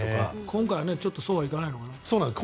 今回はそうはいかないもんね。